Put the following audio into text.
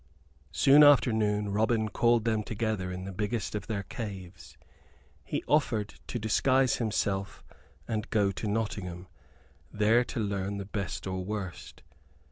Soon after noon Robin called them together into the biggest of their caves. He offered to disguise himself and go into Nottingham there to learn the best or worst.